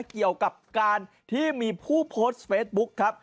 เกี่ยวกับการที่มีผู้โพสต์เฟซบุ๊คครับ